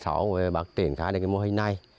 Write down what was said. vừa về bắt chuyển cái đến cái mô hình này